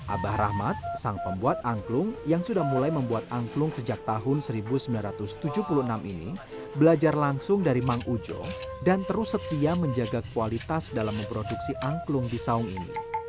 abah rahmat sang pembuat angklung yang sudah mulai membuat angklung sejak tahun seribu sembilan ratus tujuh puluh enam ini belajar langsung dari mang ujo dan terus setia menjaga kualitas dalam memproduksi angklung di saung ini